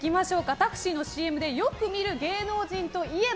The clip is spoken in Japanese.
タクシーのＣＭでよく見る芸能人といえば？